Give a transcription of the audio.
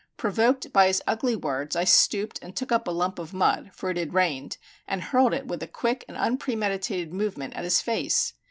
Provoked by his ugly words, I stooped and took up a lump of mud for it had rained and hurled it with a quick and unpremeditated movement at his face.